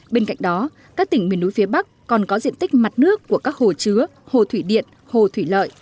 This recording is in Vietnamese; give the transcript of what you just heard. bên cạnh đó các tỉnh miền núi phía bắc còn có diện tích mặt nước của các hồ chứa hồ thủy điện hồ thủy lợi